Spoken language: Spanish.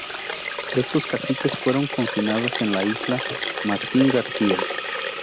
Estos caciques fueron confinados en la isla Martín García.